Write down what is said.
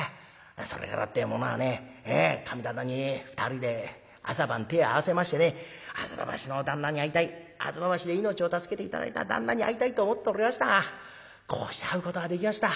それからってえものはね神棚に２人で朝晩手ぇ合わせましてね吾妻橋の旦那に会いたい吾妻橋で命を助けて頂いた旦那に会いたいと思っておりやしたがこうして会うことができました。